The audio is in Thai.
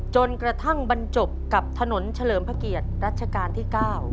จนกระทั่งบรรจบกับถนนเฉลิมพระเกียรติรัชกาลที่๙